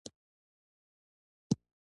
ملګری د زړه ته تسلي ورکوي